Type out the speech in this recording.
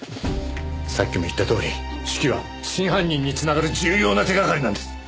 さっきも言ったとおり手記は真犯人につながる重要な手がかりなんです。